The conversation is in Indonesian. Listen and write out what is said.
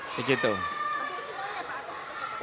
hampir semuanya pak